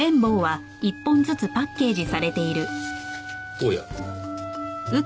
おや。